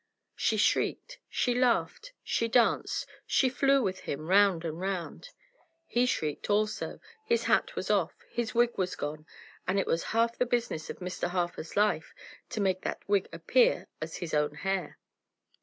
She shrieked, she laughed, she danced, she flew with him round and round. He shrieked also; his hat was off, his wig was gone; and it was half the business of Mr. Harper's life to make that wig appear as his own hair.